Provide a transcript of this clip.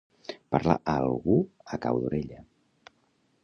Parlar a algú a cau d'orella.